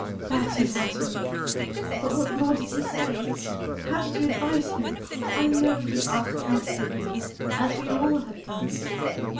"That is Adam! But what more did he say? How did you advise him? I know he asked counsel of you, as we all have done."